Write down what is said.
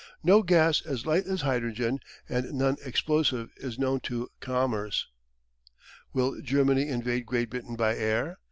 No gas as light as hydrogen and non explosive is known to commerce. Will Germany invade Great Britain by air?